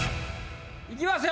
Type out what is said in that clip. いきますよ。